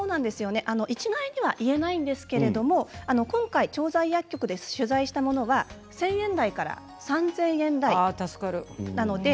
一概には言えませんが今回調剤薬局で取材したものは１０００円台から３０００円程度です。